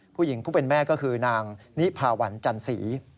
ผู้หญิงผู้เป็นแม่ก็คือนางนิพาวันจันสี